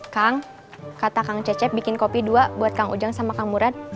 kang kata kang cecep bikin kopi dua buat kang ujang sama kang murad